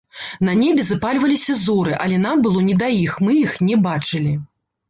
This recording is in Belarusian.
На небе запальваліся зоры, але нам было не да іх, мы іх не бачылі.